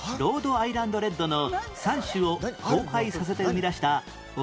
アイランドレッドの３種を交配させて生み出した奥